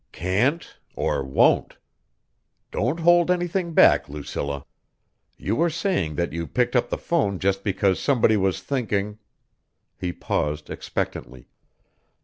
"Can't? Or won't? Don't hold anything back, Lucilla. You were saying that you picked up the phone just because somebody was thinking...." He paused expectantly.